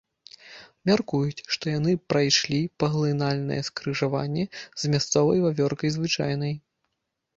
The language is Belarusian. Мяркуюць, што яны прайшлі паглынальнае скрыжаванне з мясцовай вавёркай звычайнай.